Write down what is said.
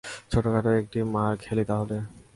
ছোটখাটো একটা মার খেলি তাহলে, হাহ!